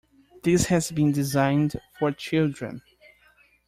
This has been designed for children.